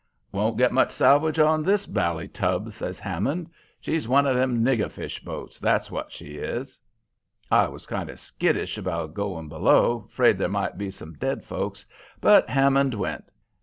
"'Won't get much salvage on this bally tub,' says Hammond; 'she's one of them nigger fish boats, that's w'at she is.' "I was kind of skittish about going below, 'fraid there might be some dead folks, but Hammond went.